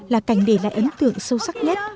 là cảnh để lại ấn tượng sâu sắc nhất